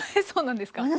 そうなんですか。